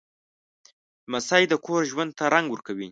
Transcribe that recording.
لمسی د کور ژوند ته رنګ ورکوي.